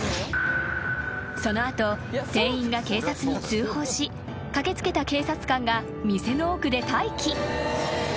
［その後店員が警察に通報し駆け付けた警察官が店の奥で待機］